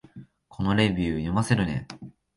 このレビュー、読ませるね